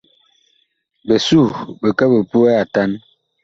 Bisuh bi kɛ bi puɛ Atan waha.